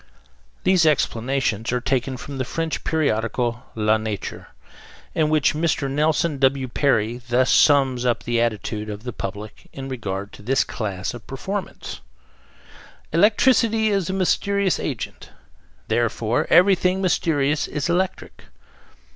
These explanations are taken from the French periodical La Nature, in which Mr. Nelson W. Perry thus sums up the attitude of the public in regard to this class of performance: "Electricity is a mysterious agent; therefore everything mysterious is electric."